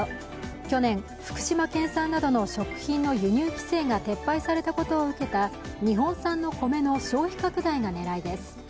去年、福島県産などの食品の輸入規制が撤廃されたことを受けた日本産の米の消費拡大が狙いです。